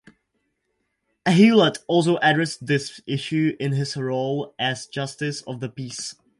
Hewlett also addressed this issue in his role as justice of the peace.